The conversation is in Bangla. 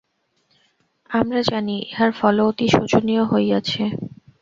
আমরা জানি, ইহার ফলও অতি শোচনীয় হইয়াছে।